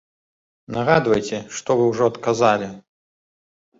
Нагадвайце, што вы ўжо адказалі.